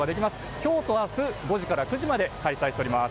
今日と明日、５時から９時まで開催しております。